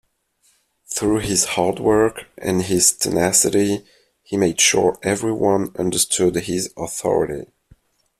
Through his hard work, and his tenacity, he made sure everyone understood his authority.